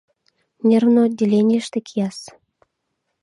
Нервный отделенийыште кия-с...»